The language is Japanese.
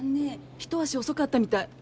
一足遅かったみたい。